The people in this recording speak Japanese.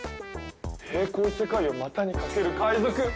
並行世界を股にかける界賊。